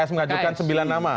tks mengajukan sembilan nama